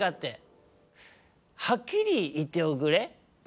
はっきりいっておくれ。